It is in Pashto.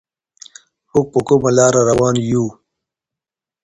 موږ په کومه لاره روان يو؟